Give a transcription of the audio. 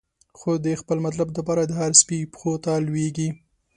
خو د خپل مطلب د پاره، د هر سپی پښو ته لویږی